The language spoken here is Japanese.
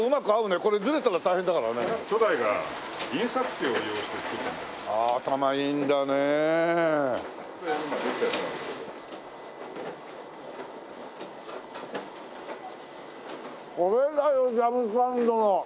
これだよジャムサンド。